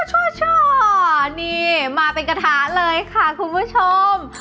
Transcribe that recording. ช่อนี่มาเป็นกระทะเลยค่ะคุณผู้ชม